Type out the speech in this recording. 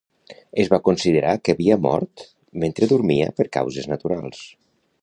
Es va considerar que havia mort mentre dormia per causes naturals.